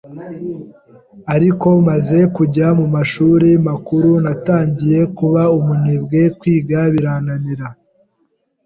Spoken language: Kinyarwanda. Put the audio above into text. Ariko maze kujya mu mashuri makuru natangiye kuba umunebwe kwiga birananira.